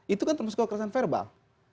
itu kan termasuk kekerasan verbal